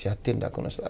この人ら。